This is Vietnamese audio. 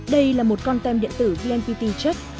đây là một con tem điện tử vnpt check